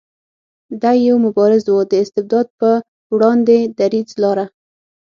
دی یو مبارز و د استبداد په وړاندې دریځ لاره.